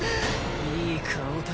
いい顔だ